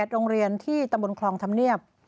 โรงเรียนที่ตำบลคลองธรรมเนียบ